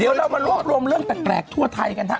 เดี๋ยวเรามารวบรวมเรื่องแปลกทั่วไทยกันฮะ